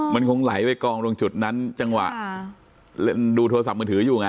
มันคงไหลไปกลองลงที่จังหวะดูโทรศัพท์มือถืออยู่ไง